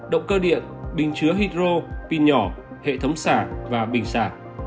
động cơ điện bình chứa hydro pin nhỏ hệ thống xả và bình xả